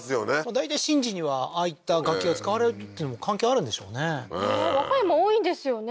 大体神事にはああいった楽器が使われるっていうのも関係あるんでしょうねねえ和歌山多いんですよね